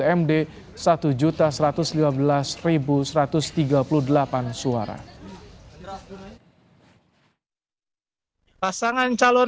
pemilihan suara di dki jakarta sebanyak tiga hari mulai tujuh hingga sembilan maret